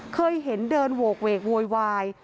เคยเห็นเดินโหกเวกโวยวาย